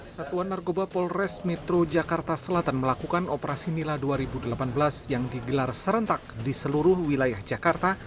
satuan narkoba polres metro jakarta selatan melakukan operasi nila dua ribu delapan belas yang digelar serentak di seluruh wilayah jakarta